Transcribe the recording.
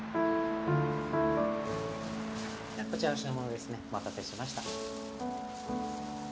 こちらお品物ですねお待たせしました。